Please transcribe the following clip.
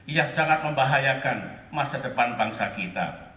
yang sangat membahayakan masa depan bangsa kita